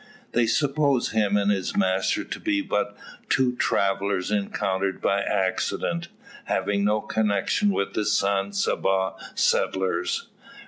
They suppose him and his master to be but two travellers encountered by accident, having no connection with the San Saba settlers.